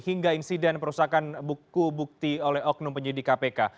hingga insiden perusahaan buku bukti oleh oknum penyidik kpk